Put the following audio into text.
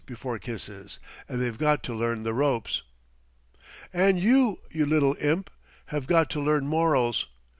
before kisses, and they've got to learn the ropes." "And you, you little imp, have got to learn morals."